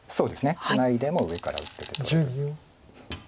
ツナいでも上から打ってて取れる。